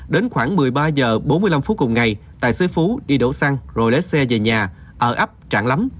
đến khoảng một mươi ba h bốn mươi năm phút cùng ngày tài xế phú đi đổ xăng rồi lé xe về nhà ở ấp trạm lắm